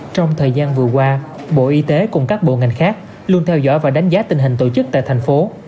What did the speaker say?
trong thời gian vừa qua bộ y tế cùng các bộ ngành khác luôn theo dõi và đánh giá tình hình tổ chức tại thành phố